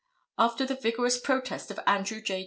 After the vigorous protest of Andrew J.